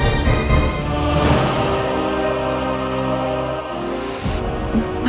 di meja kamu sama istri kamu